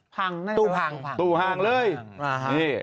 การเฝ้า